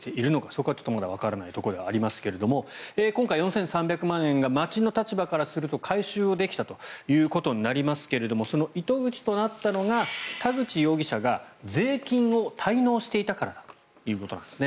そこはまだわからないところではありますが今回、４３００万円が町の立場からすると回収できたということになりますがその糸口となったのが田口容疑者が税金を滞納していたからだということです。